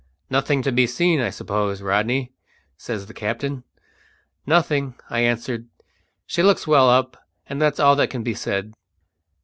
"Nothing to be seen, I suppose, Rodney?" says the captain. "Nothing," I answered. "She looks well up, and that's all that can be said."